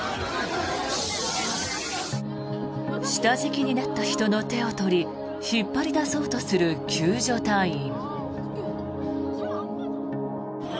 下敷きになった人の手を取り引っ張り出そうとする救助隊員。